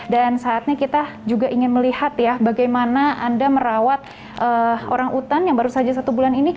dan saatnya kita juga ingin melihat ya bagaimana anda merawat orang utan yang baru saja satu bulan ini